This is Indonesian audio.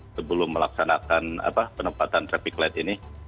sebelum melaksanakan penempatan traffic light ini